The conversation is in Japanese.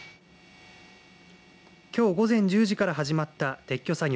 きょう午前１０時から始まった撤去作業。